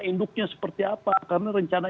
induknya seperti apa karena rencana